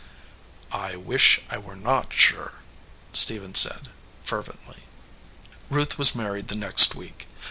"I wish I were not sure," Stephen said, fer vently. Ruth was married the next week.